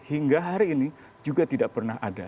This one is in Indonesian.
hingga hari ini juga tidak pernah ada